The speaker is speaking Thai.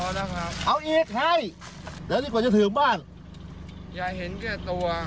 เดี๋ยวดีกว่าจะถึงบ้านยัวเห็นแค่ตัวครับ